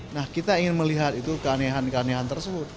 nah kita ingin melihat itu keanehan keanehan tersebut